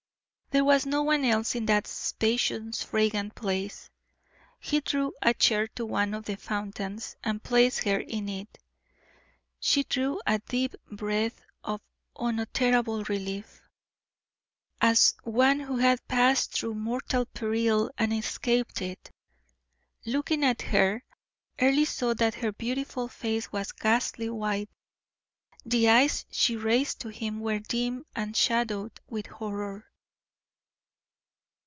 There was no one else in that spacious fragrant place. He drew a chair to one of the fountains and placed her in it. She drew a deep breath of unutterable relief, as one who had passed through mortal peril and escaped it. Looking at her, Earle saw that her beautiful face was ghastly white; the eyes she raised to him were dim and shadowed with horror.